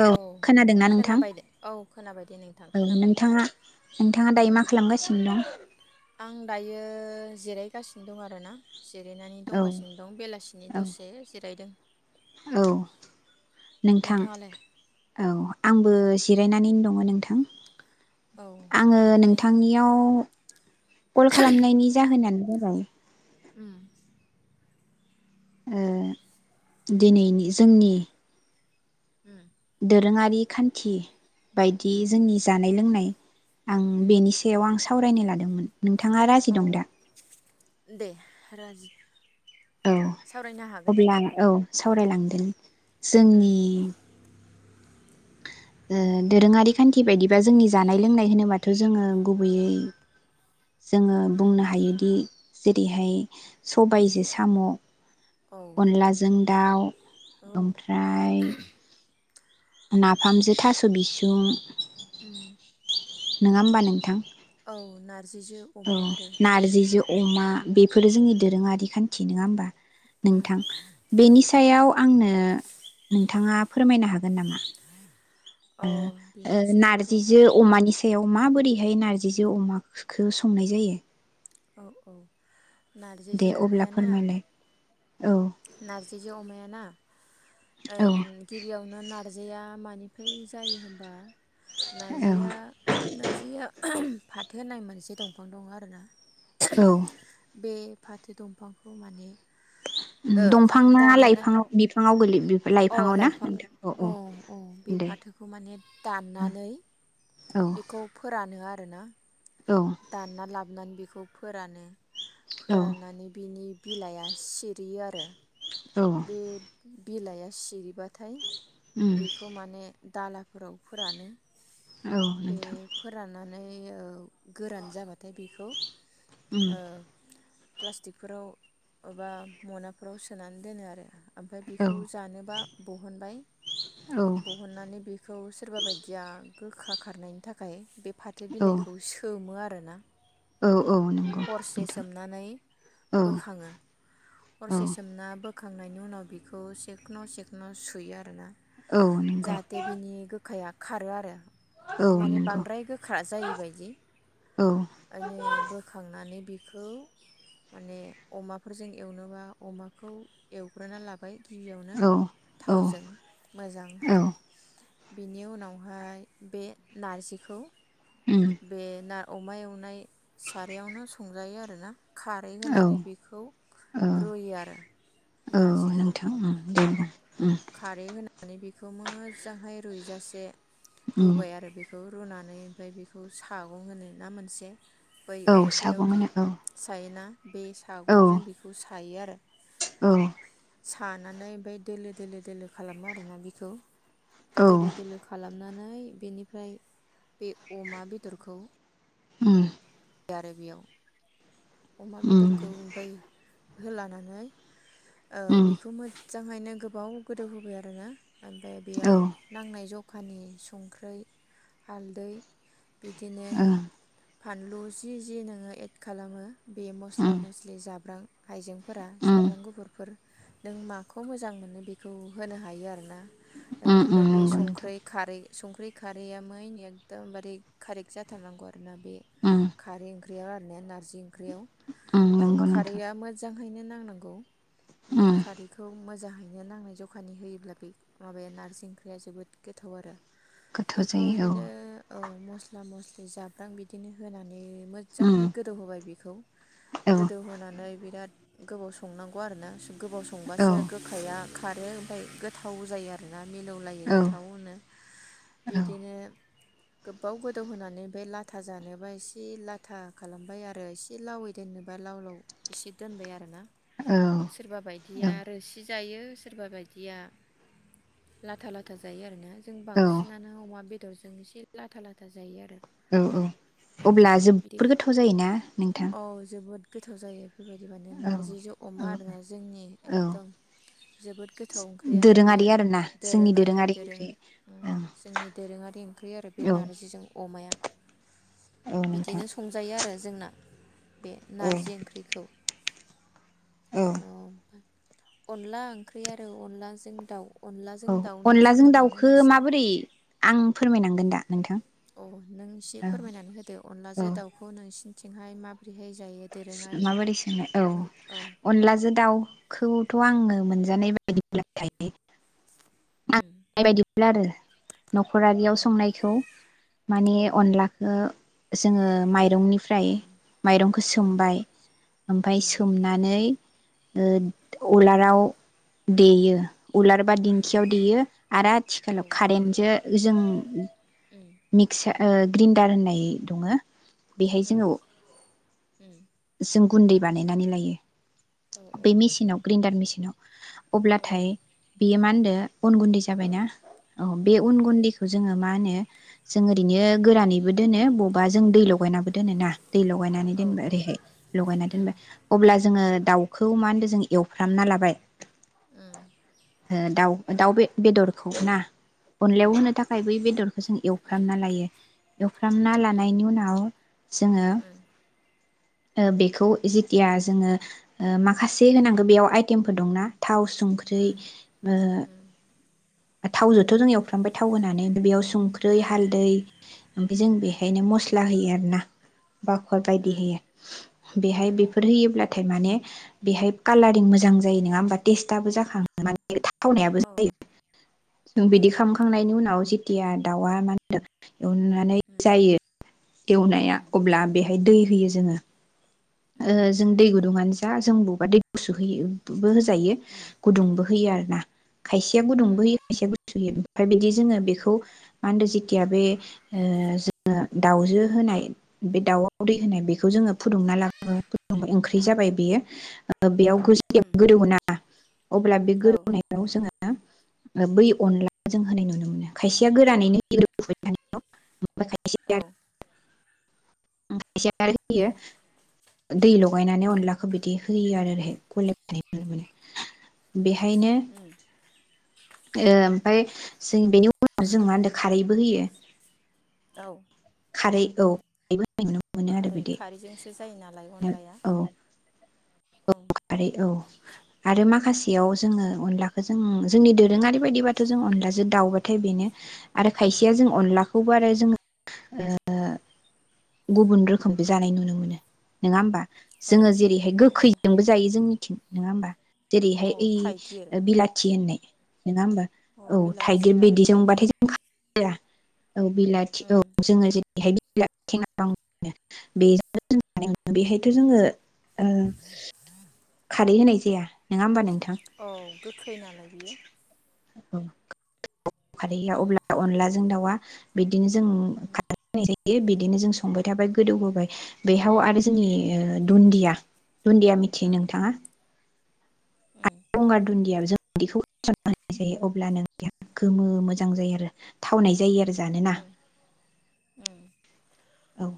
औ खोनादोंना नोंथां खोनाबाय दे औ खोनाबाय दे नोंथां औ खोनाबाय नोंथाङा नोंथाङा दायो ओं मा खालामगासिनो दं? आं दायो जिरायगासिनो दं आर। आरोना जिरायनानै औ दंगासिनो दं बेलासिनि औ दसे जिरायदों। औ नोंथां नोंथाङालाय औ आंबो जिरायनानैनो दङो नोंथां औ आंङो ओमफ्राय नोंथांनियाव कल खालामनायनि जाहोनानो [unintelligible] उम। ओ दिनैनि जोंनि उम। दोरोङारि खान्थि बायदि उम जोंनि जानाय लोंनाय आं बेनि सायाव आं सावरायनो लादोंमोन। नोंथाङा राजि औ दं दा? दे राजि। औ सावरायनो हागोन दे अब्ला औ सावरायलांदोनि उम जोंनि ओ दोरोङारि खान्थि बायदिबा जोंनि जानाय लोंनाय होनोबाथ' जोङो गुबैयै जोङो बुंनो हायोदि जेरैहाय सबायजो साम' औ अनलाजों दाउ औ ओमफ्राय नाफामजों थास' बिसुं, [inaudible] नोङा होमबा नोंथां? औ नारजिजों औ अमा आरो नारजिजो अमा बेफोरो जोंनि उम दोरोङारि खा न्थि नङा होमबा? उम नोंथां बेनि सायाव आंनो नोंथाङा फोरमायनो हागोन नामा? ओ औ ओ बिनि सायावथ' नारजिजो अमानि बेयाव माबोरैहाय नारजिजो अमाखो संनाय जायो? औ औ। दे नारजिजों अब्ला अमायाना फोरमायलाय? औ। नारजिजों अमायाना ओ औ गिबियावनो नार नारजिया मानिफ्राय जायो होनोमबा औ नारजिया-नारजिया फाथो होननाय मोनसे दंफां दं आरोना औ बे फाथो दंफांखौ माने उम ओ दंफाङा दानना लाइफांआव बिफाङाव गोलै अ लाइफाङाव ना लाइफां नोंथां औ औ बे दे फाथोखौ माने दाननानै औ बेखौ फोरा रानो आरो ना औ दानना लाबना बि खौ फोरानो ‌। औ फोराननानै बिनि बिलाइआ सिरियो आरो औ बे बिलाइया सिरिबाथाय उम बेखौ माने दालाफोराव फोरानो। औ बे नोंथां फोरानना नै औ गोरान जाबाथाय बेखौ ओ उम प्लास्टिकफोराव ओबा मनाफोराव सोनानै दोनो आरो ओमफ्राय औ बेखौ जानोबा बहनबाय औ बहननानै बेखौ सोरबा बायदिया गोखा खारनायनि थाखाय बे फाथो औ बिलाइखौ सोमो आर रो ना औ औ नंगौ हरसे नोंथां सोमनानै औ बोखाङो औ हरसे सोमना बो खांनायनि उनाव बिखौ सेखन सेखन सुयो आरो ना औ नंगौ जाहाथे बिनि गोखाया खारो आरो औ माने नंगौ बांद्राय गोख्रा जायैबायदि औ आयने बोखांनानै बे बेखौ माने अमाफोरजों एवनोबा अमाखौ एवग्रोना लाब बाय गिबियावनो औ औ थावजों औ मोजांहाय बेनि उनावहाय बे नारजिखौ उम बे ना अमा एवनाय सारायावनो संजायो आर ना। खारै औ होनानै बेखौ औ रुयो आरो औ नारजिखौ। नोंथां उम दे बुं उम खारै होना नानै बेखौ मोजांहाय रुइजासे उम रुबाय आरो बेखौ रुनानै ओमफ्राय बेखौ सागं होनो ना मोनसे बै औ सागं ओंख्रियावदि होनो औ सायोना। बे औ सागंजों बेखौ सायो आरो। औ। सानानै ओमफ्राय दोलोद दोलो दोलो खालामो आरोना बिखौ। औ दोलो दोलो खालामनानै। ऐ बेनिफ्राय बे अमा बेदरखौ। उम। [unintelligible] आरो बेयाव। अमा उम बेदरखौ ओमफ्राय होलानानै ओह उम बेखौ मोज मोजांहायनो गोबाव गोदौहोबाय आरोना ओमफ्राय बेयाव औ नांनाय जख खानि संख्रै, हालदै बिदिनो ओं फानलु जि-जि नोङो एड खालामो। बे मस्ला उम मस्लि जाब्रां। हाइजें। फोरा उम सामब्राम गुफुरफोर। नों माखौ मोजां मोनो बेखौ होनो हायो आरोना। उम उम एनिफ्राय बे नंगौ नोंथां संख्रै खारै संख्रि खारैया मैन एखदमबारे खारेक जाथारनांगौ आरो। आरोना बे उम खारै ओं ख्रिया आरो ने नारजि ओं बेयाव उम औ नंगौ नोंथां खारैया मोजां ओंहायनो नांनांगौ। बे उम खारिखौ मो जांहैनो नांनाय जखानि होयोब्ला बे माबाया नार्जि ओंख्रिया जोबोद गोथाव आरो। गोथाव बेखौ जायो औ बिदिनो औ। मस्ला मस्लि जाब्रां बिदिनो होनानै उम मोजांहाय गोदौ होबाय बे बेखौ औ गोदौ होनानै बिराद गोबाव संनांगौ आरोना गोबाव औ संबासो गोखाया खारो ओमफ्राय गोथाव जायो आरोना। मिलौलायो औ गोथाव होनो बिदिनो गोबाव गोदौ होनानै बे लाथा जानोबा एसे लाथा खालामबाय आरो एसे एसे लावै दोननोबा लाव लाव एसे दोनबाय आरो ना। सोरबा औ बायदिया आरो सि जायो सोरबा बायदिया लाथा -लाथा जायो आरोना। जों बांसिनानो अमा बे दरजों एसे लाथा लाथा जायो आरो। औ औ औ अब्ला बिदि जोबोद गोथाव जायोना नोंथां। जोबोद गोथाव जायो। बेबायदि माने औ नार्जिजों औ अमा आरोना जोंनि औ एकदम जोबोद गोथाव ओंख्रियानो बे दोरोङारि आरो आरोना जोंनि दोरोङारि दोरों ओंख्रि ओं जोंनि दोरोङारि ओंख्रि आरो बे औ नारजिजों अमाया औ नोंथां बिदिनो संजायो आरो। जोंना बे औ नारजि ओंख्रिखौ औ अ। अनला ओंख्रि आरो अनलाजों दाउ। अनलाजों औ दाउनि अनलाजों सोमोन्दै नों दाउखौ एसे माबोरै आं फोरमायनांगोन दा। नोंथां। अ नों एसे फोरमायनानै होदो औ औ अनलाजों दाउखौ नोंसिनि आथिंहाय मा माबोरै सोनो औ माबै औ अनलाजों दाउखौथ' आङो मोनजानाय बायदि थाय उम जादों। न'खरारियाव उम संनायखौ माने औ अनलाखो जोङो माइ मायरंनिफ्राय उम मायरंखौ औ सोमबाय ओमफाय उम सोमनानै ओ अलाराव लाव देयो। उलार बा उम दिंखियाव देयो आरो औ आथिखालाव कारेन्टजो जों उम मिक्सार ओ ग्रिन्डार होननाय दङो। बेहाय जोङो उम उम जों गुन्दै बानायनानै लायो औ बे मेसिनाव ग्रेन्डार मेसिनाव अब्लाथाय बियो मा होनदो अन गुन्दै जाबाय ना ओ औ बे उन गुन्दैखौ जोङो मा होनो? जों उम ओरैनो गोरानैबो दोनो बबा जों दै उम लगायनाबो दोनो ना दै लगायनानै औ दोनबा औ ओरैहाय लगायना उम दोनबा अब्ला जोङो दाउखौ मा होनदों जो एवफ्रामना लाबाय। उम ओ दाउ‌। दाउ बे बेदरखौ ना अनलायाव होनो थाखाय बै बेदरखौ जों एव एवफ्रामना लायो एवफ्रामना लानायनि उनाव जोङो ओ बेखौ जेथिया जोङो ओ माखासे होनांगौ बेयाव आइटेमफोर दंना थाव संख्रैबो थावजोंथ' जों एवफ्रामबाय थाव होनानै बेयाव सुं ख्रै हालदै ओमफाय जों बेहायनो मस्ला होयो आरो ना बाखर उम बायदि होयो बेहाय बेफोर होयोब्ला थाय माने बेहाय कालारिं मोजां जायो नङा होमबाद टेस्टआबो जाखाङो माने थावनायाबो औ उम जायो। जों बिदि उम खालामखांनायनि उनाव जि खथिया दाउआ मा होनदों? एवनानै जायो उम एवनाया अब्ला बेहाय दै। होयो जोङो। ओ जों दै गुदुंआन जा जों बबौबा दै गुसु होयो [unintelligible] यो गुदुंबो होयो आरोना खायसेया गुदुंबो होयो खायसेया गुस होयो ओमफाय बिदि जोङो उम बेखौ मा होनदो जेथिया बे ओ जोङो दाउजो होनाय बे दाउआव दै होनाय बेखौ जोङो फुदुंना लाग [unintelligible] ओंख्रि जाबाय बेयो ओ बेयाव उम उम [unintelligible] अब्ला बे औ गोदौनायाव जोङो या ओ बै अनला जों होनाय नुनो मोनो खायसेया [unintelligible] खायसेआ औ उम उम [unintelligible] दै उम लगायनानानै अनलाख खोज बिदि होयो ओरैहाय [unintelligible] बेहायनो उम फाय जों बेनि उनाव जों मा होनो खारैबो होयो। औ खारै औ यैबो खारै खारैजोंसो जायो नालाय अनलाया। औ ओं खारै औ आरो मा खासेयाव जोङो अनलाखौ जों जोंनि दोरोङारि बायदिबाथ जों अनलाजों दाउबाथाय बेनो‌ आरो खायसेया जों अनलाखौबो आरो जों ओ गुबुन रोखोमबो जानाय नुनो मोनो नङा ओमबा? औ जोङो जेरैहाय औ औ गोखै यि जोंनिथिं नङा ओमबा? औ जेरैहाय ओइ थाइगिर ओ बिलाथि होननाय। नोङा ओमबा अ औ बिलाथि थाइगिर आरो थाइगिर बिदिजोंबाथाय जों खाया। औ बिलाथि उम औ जोङो जे [unintelligible] बेहायथ जोङो ओ खारै होनाय जाया नोङा ओमबा नोंथा औ गोखै नालाय बियो। औ खारै होया अब्ला अनलाजों दाउआ बिद दिनो जों खारै होनाय जायो। बिदिनो जों संबाय थाबाय गोदौहोबाय बेयाव आरो जोंनि ओ दुन्दिया दुन्दिया मिथियो औ नों [unintelligible] उम गंगार दुन्दिया बिदिखौ जायो अब्ला नों बेहा गोमो मोजां जायो आरो थावनाय जायो आरो जानोना उम औ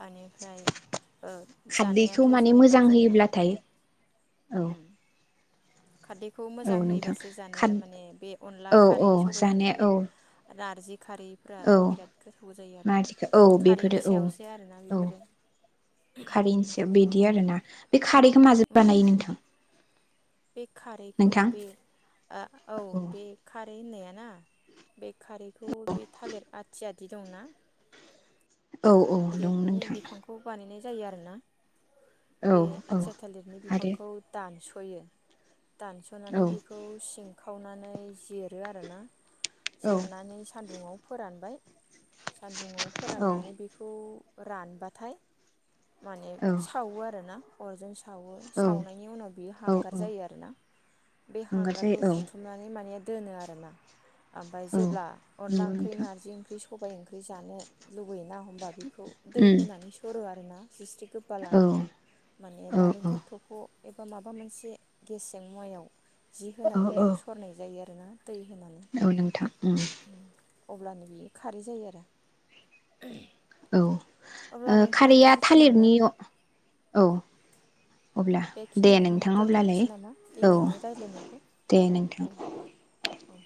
बेनिफ्राय ओ खारदैखौ जानायाथ माने जेनेबा मोजां जोंना होयोब्लाथाय औ उम खारदैखौ औ मोजां नोंथां होयोबासो खार जानाया माने बे अनला औ औ खारै सबाइ जानाया खारै औ नार्जि औ नाजिखौ औ खारैनि बेफोरो औ सायावसो आरोना औ बेफोरो खारैसे बिदि आरोना बे खारैखौ माजों उम बानायो नोंथां? बे खारैखौ नोंथां बे ओ औ बे खारै होननाया ना बे खारैखौ बे थालिर आथिया बिदि दंना औ औ दं थालिरनि नोंथां बिफांखौ बानायनाय जायो आरोना? औ बे औ आथिया थालिरनि आरो बिफांखौ दानस फयो औ दानसनानै बेखौ सिं खावनानै जिरो आरो ना औ जिरनानै सान्दुङाव फोरानबाय सान्दुङाव औ फोराननानै बेखौ खौ रानबाथाय माने औ सावो आरोना अरजों सावो औ सावनायनि उनाव बियो औ हांगार औ जायो आरोना बे हांगार हांगारखौ जायो औ हुथुमनानै माने दोनो आरोना ओमफ्राय औ जेब्ला अनला नंगौ ओंख्रि नोंथां नार्जि ओंख्रि सं सबायाइ ओंख्रि जानो लुुबैयोना बेखौ दै उम होनानै सरो आरोना जिस्रि गोबा औ लानानै माने औ नालेंखल थख' एबा माबा मोनसे गेसजों मुवायाव जि औ होनानै औ बेखौ सरनाय जायो आ [inaudible] औ नोंथां उम अब्लानो बियो खारै जायो आरो। औ अब्ला ओ नोंथां खारैया बेखिनियावनो थालिरनि औ अब्ला दे बेखिनियावनो नोंथां अब्लालाय दोनथनोसै नामा औ दिनैनि राय्लायनायखौ दे नोंथां औ। औ।